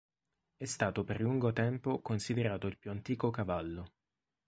È stato per lungo tempo considerato il più antico cavallo.